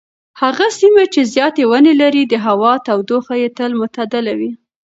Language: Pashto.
هغه سیمه چې زیاتې ونې لري د هوا تودوخه یې تل معتدله وي.